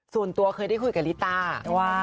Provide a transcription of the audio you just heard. ส่วนตัวเคยได้คุยกับลิต้าว่า